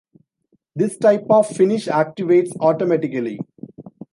This type of finish activates automatically.